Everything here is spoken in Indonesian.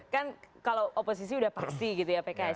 kan kalau oposisi sudah pasti gitu ya pks